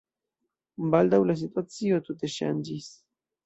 Baldaŭ la situacio tute ŝanĝis.